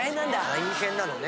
大変なのね。